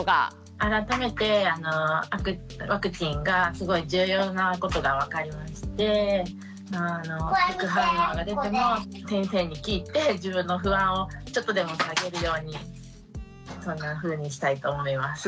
改めてワクチンがすごい重要なことが分かりまして副反応が出ても先生に聞いて自分の不安をちょっとでも下げるようにそんなふうにしたいと思います。